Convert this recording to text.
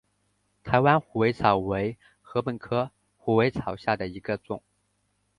台湾虎尾草为禾本科虎尾草下的一个种。